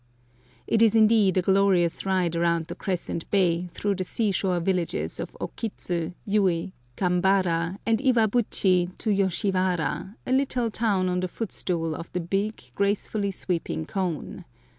It is indeed a glorious ride around the crescent bay, through the sea shore villages of Okitsu, Yui, Kambara, and Iwabuchi to Yoshiwara, a little town on the footstool of the big, gracefully sweeping cone.